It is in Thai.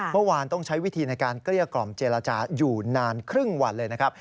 เมื่อวานต้องใช้วิธีในการเกลี้ยกล่อมเจรจาอยู่นานครึ่งวันเลยนะครับ